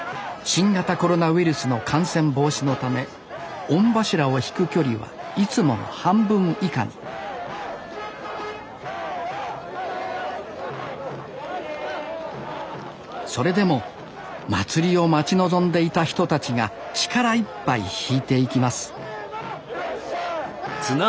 新型コロナウイルスの感染防止のため御柱を曳く距離はいつもの半分以下にそれでも祭りを待ち望んでいた人たちが力いっぱい曳いていきますせの！